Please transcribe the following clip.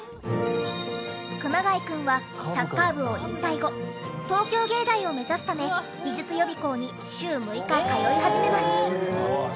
熊谷くんはサッカー部を引退後東京藝大を目指すため美術予備校に週６日通い始めます。